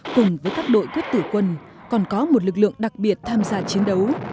cùng với các đội quyết tử quân còn có một lực lượng đặc biệt tham gia chiến đấu